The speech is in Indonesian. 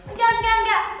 enggak enggak enggak